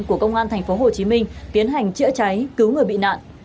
của công an thành phố hồ chí minh tiến hành chữa cháy cứu người bị nạn